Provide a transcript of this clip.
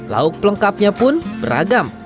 lauk pelengkapnya pun beragam